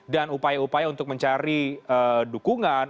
upaya upaya untuk mencari dukungan